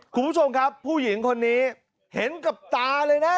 คุณผู้ชมครับผู้หญิงคนนี้เห็นกับตาเลยนะ